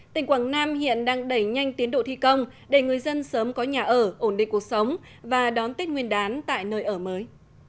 tỉnh quảng nam hiện đang đẩy nhanh tiến độ thi công để người dân sớm có nhà ở ổn định cuộc sống và đón tết nguyên đán tại nơi ở mới